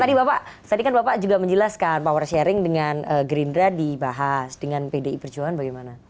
tadi bapak tadi kan bapak juga menjelaskan power sharing dengan gerindra dibahas dengan pdi perjuangan bagaimana